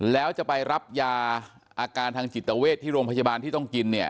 แล้วจะไปรับยาอาการทางจิตเวทที่โรงพยาบาลที่ต้องกินเนี่ย